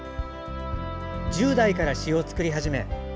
１０代から詩を作り始め